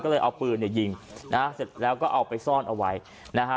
ก็เลยเอาปืนเนี่ยยิงนะฮะเสร็จแล้วก็เอาไปซ่อนเอาไว้นะฮะ